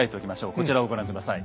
こちらをご覧下さい。